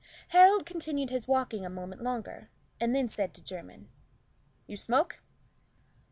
Harold continued his walking a moment longer, and then said to Jermyn "You smoke?"